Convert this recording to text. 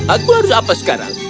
aku harus apa sekarang